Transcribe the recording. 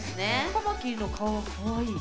カマキリの顔かわいい。